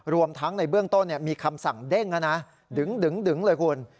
รวมทั้งในเบื้องต้นมีคำสั่งเด้งแล้วนะดึงเลยคุณ